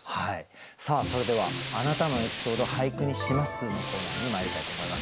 さあそれでは「あなたのエピソード、俳句にします」のコーナーにまいりたいと思います。